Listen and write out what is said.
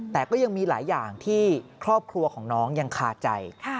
แต่ก็ยังมีหลายอย่างที่ครอบครัวของน้องยังคาใจ